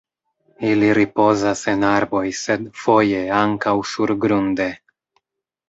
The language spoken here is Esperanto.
Ili ripozas en arboj sed foje ankaŭ surgrunde.